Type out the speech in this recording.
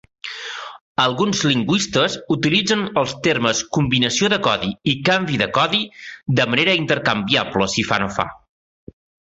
Alguns lingüistes utilitzen els termes "combinació de codi" i "canvi de codi" de manera intercanviable si fa no fa.